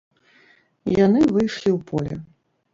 Яны выйшлі ў поле.